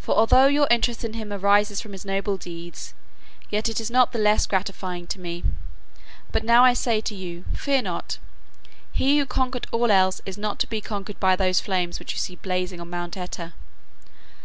For although your interest in him arises from his noble deeds, yet it is not the less gratifying to me. But now I say to you, Fear not. He who conquered all else is not to be conquered by those flames which you see blazing on Mount Oeta.